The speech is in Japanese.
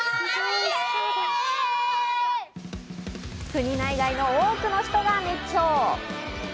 国内外の多くの人が熱狂。